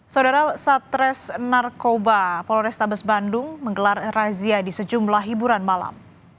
saudara satres narkoba polrestabes bandung menggelar razia di sejumlah hiburan malam